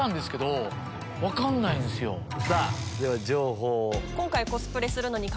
では情報を。